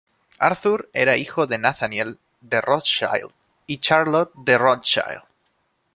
Arthur era hijo de Nathaniel de Rothschild y Charlotte de Rothschild.